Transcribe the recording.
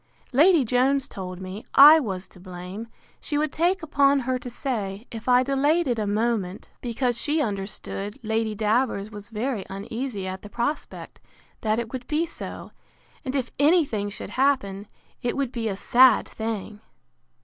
Lady Jones told me, I was to blame, she would take upon her to say, if I delayed it a moment; because she understood Lady Davers was very uneasy at the prospect, that it would be so; and if any thing should happen, it would be a sad thing!